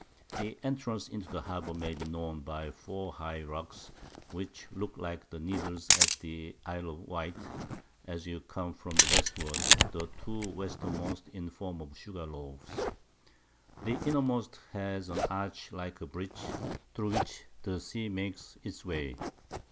The Entrance into the Harbour may be known by four high Rocks, which look like the Needles at the Isle of Wight, as you come from the Westward; the two Westermost in form of Sugar loves. The innermost has an Arch like a Bridge, through which the Sea makes its way.